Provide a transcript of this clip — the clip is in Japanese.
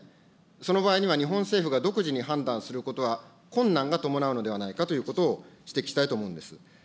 その場合には日本政府が独自に判断することは困難が伴うのではないかということを指摘したいと思うんです。